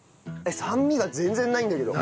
酸味が全然ないんだけど。